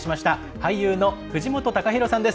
俳優の藤本隆宏さんです。